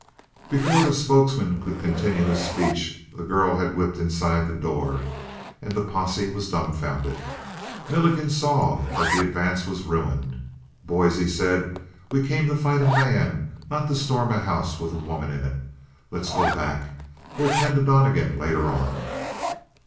Before the spokesman could continue his speech, the girl had whipped inside the door. And the posse was dumbfounded. Milligan saw that the advance was ruined. "Boys," he said, "we came to fight a man; not to storm a house with a woman in it. Let's go back. We'll tend to Donnegan later on."